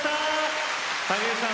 竹内さん